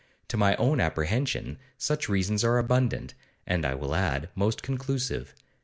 To my own apprehension such reasons are abundant, and, I will add, most conclusive.